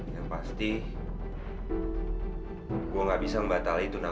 mas kevin mau pulang